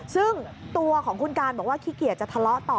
ซึ่งตัวของคุณการบอกว่าขี้เกียจจะทะเลาะต่อ